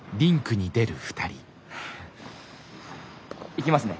行きますね。